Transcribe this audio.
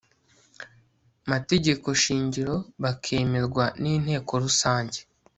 mategeko shingiro bakemerwa n inteko rusange